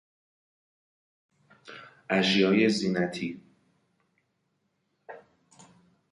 اشیای زینتی